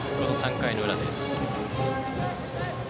３回の裏です。